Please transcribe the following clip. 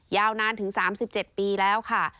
ยาวนานถึง๓๗ปีแล้วค่ะ